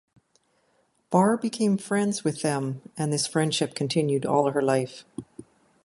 Barr became friends with them and this friendship continued all her life.